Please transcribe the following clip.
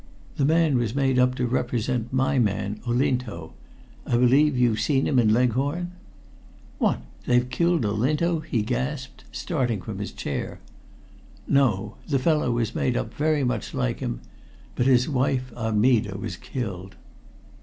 The man was made up to represent my man Olinto I believe you've seen him in Leghorn?" "What! They've killed Olinto?" he gasped, starting from his chair. "No. The fellow was made up very much like him. But his wife Armida was killed."